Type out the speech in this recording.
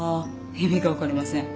意味が分かりません。